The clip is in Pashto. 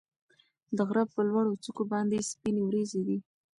د غره په لوړو څوکو باندې سپینې وريځې دي.